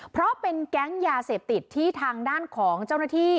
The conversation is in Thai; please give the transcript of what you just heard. เพราะเป็นแก๊งยาเสพติดที่ทางด้านของเจ้าหน้าที่